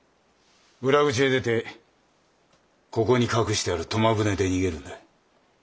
裏口へ出てここに隠してある苫舟で逃げるんだ。